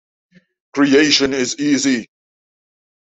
Creation is easy.